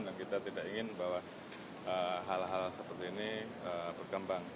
dan kita tidak ingin bahwa hal hal seperti ini berkembang